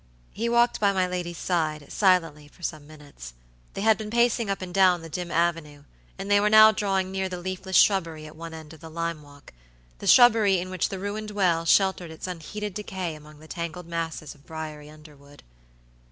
He walked by my lady's side, silently, for some minutes. They had been pacing up and down the dim avenue, and they were now drawing near the leafless shrubbery at one end of the lime walkthe shrubbery in which the ruined well sheltered its unheeded decay among the tangled masses of briery underwood.